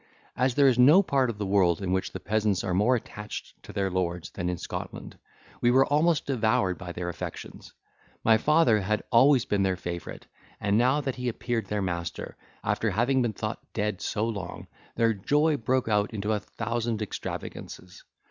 As there is no part of the world in which the peasants are more attached to their lords than in Scotland, we were almost devoured by their affections. My father had always been their favourite, and now that he appeared their master, after having been thought dead so long, their joy broke out into a thousand extravagances.